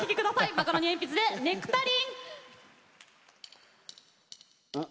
マカロニえんぴつで「ネクタリン」。